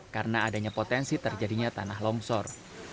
karena adanya potensi terjadinya tanah longsor